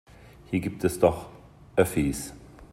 Hier gibt es doch Öffis.